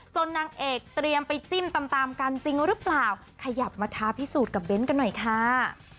นางเอกเตรียมไปจิ้มตามตามกันจริงหรือเปล่าขยับมาท้าพิสูจน์กับเบ้นกันหน่อยค่ะ